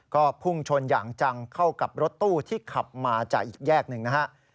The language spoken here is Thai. ก็พุ่งชนอย่างจังเข้ากับรถตู้ที่ขับมาจากอีกแยกหนึ่งนะฮะ